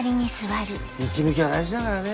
息抜きは大事だからね。